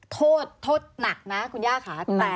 โทษโทษหนักนะคุณย่าค่ะ